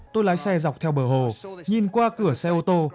tôi lái xe dọc theo bờ hồ nhìn qua cửa xe ô tô